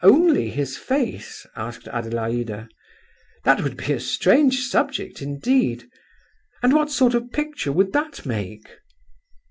only his face?" asked Adelaida. "That would be a strange subject indeed. And what sort of a picture would that make?"